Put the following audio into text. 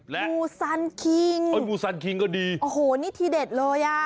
และงูซันคิงเอ้ยงูซันคิงก็ดีโอ้โหนี่ทีเด็ดเลยอ่ะ